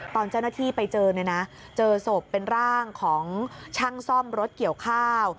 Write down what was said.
ตอนเจ้าหน้าที่ไปเจอเนี่ยนะเจอศพเป็นร่างของช่างซ่อมรถเกี่ยวข้าว